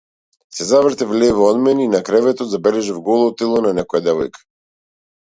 Се завртев лево од мене и на креветот забележав голо тело на некоја девојка.